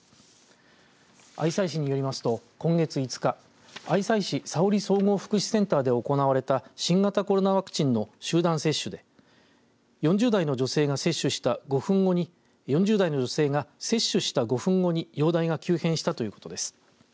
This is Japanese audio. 愛西市によりますと、今月５日愛西市佐織総合福祉センターで行われた新型コロナワクチンの集団接種で４０代の女性が接種した５分後に容体が急変したということです。